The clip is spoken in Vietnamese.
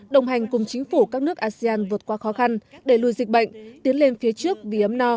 đồng hành cùng chính phủ các nước asean vượt qua khó khăn để lùi dịch bệnh tiến lên phía trước vì ấm no